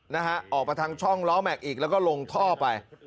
นะฮะออกมาทางช่องล้อแม็กซ์อีกแล้วก็ลงท่อไป